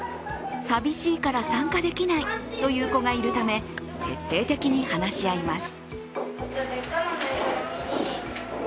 さびしいから参加できないという子がいるため、徹底的に話し合います。